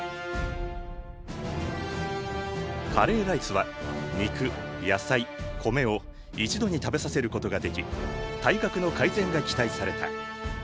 カレーライスは肉野菜米を一度に食べさせることができ体格の改善が期待された。